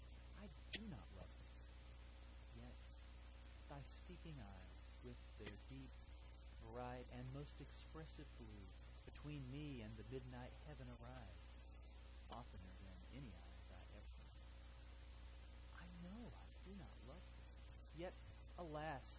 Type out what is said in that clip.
I do not love thee!—yet thy speaking eyes, With their deep, bright, and most expressive blue, Between me and the midnight heaven arise, 15 Oftener than any eyes I ever knew. I know I do not love thee! yet, alas!